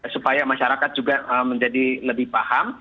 supaya masyarakat juga menjadi lebih paham